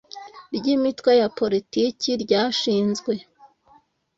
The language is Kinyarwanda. ry imitwe ya politiki ryashinzwe